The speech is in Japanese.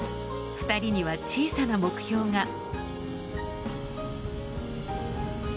２人には、小さな目標が。